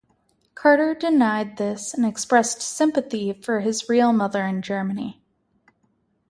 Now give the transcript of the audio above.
Carter denied this and expressed sympathy for his real mother in Germany.